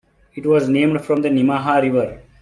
It was named from the Nemaha River.